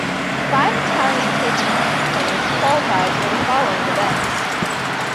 Five Italian table tennis players qualified for the following events.